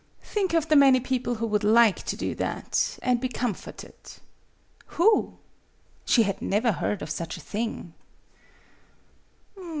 Think of the many people who would like to do that, and be comforted." " Who ?" She had never heard of such a thing.